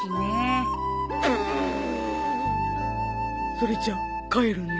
それじゃ帰るね。